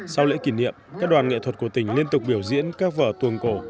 sau lễ kỷ niệm các đoàn nghệ thuật của tỉnh liên tục biểu diễn các vở tuồng cổ